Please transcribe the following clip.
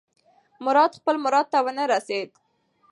مراد خپل مراد ته ونه رسېد.